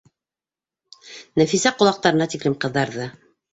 - Нәфисә ҡолаҡтарына тиклем ҡыҙарҙы.